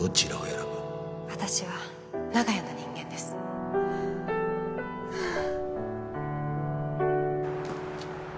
私は長屋の人間です。はあ。